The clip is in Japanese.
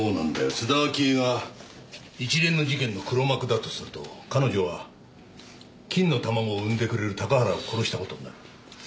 津田明江が一連の事件の黒幕だとすると彼女は金の卵を生んでくれる高原を殺した事になる。